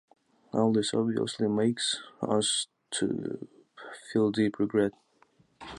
All this obviously makes us to feel deep regret.